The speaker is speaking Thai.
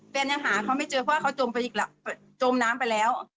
ยังหาเขาไม่เจอเพราะว่าเขาจมไปอีกจมน้ำไปแล้ว